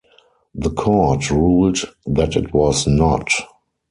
The Court ruled that it was not.